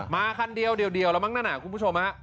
มาคันเดียวเดียวเดียวแล้วมั้งนั่นอ่ะคุณผู้ชมฮะ